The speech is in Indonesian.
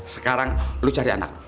sekarang lu cari anak